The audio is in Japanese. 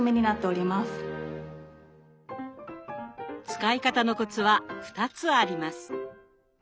使い方のコツは２つあります。